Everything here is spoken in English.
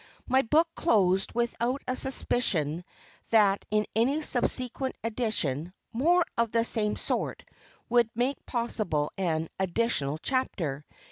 My book closed without a suspicion that in any subsequent edition "more of the same sort" would make possible an ADDITIONAL CHAPTER.